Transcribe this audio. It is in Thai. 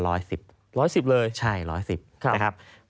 ร้อย๑๐เลยใช่ร้อย๑๐ครับ